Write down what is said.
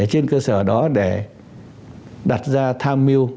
trên cơ sở đó để đặt ra tham mưu